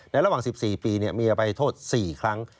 ระหว่าง๑๔ปีมีอภัยโทษ๔ครั้ง